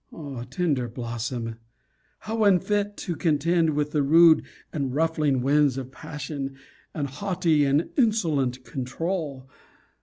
Tender blossom! how unfit to contend with the rude and ruffling winds of passion, and haughty and insolent control!